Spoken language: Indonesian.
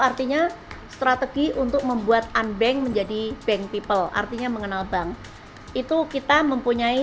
artinya strategi untuk membuat unbank menjadi bank people artinya mengenal bank itu kita mempunyai